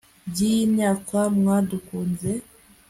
by'iyi myaka mwadukunze